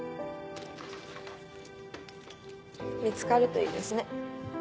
見つかるといいですね。